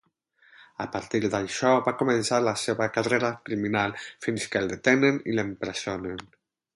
A partir d'això va començar la seva carrera criminal, fins que el detenen i l'empresonen.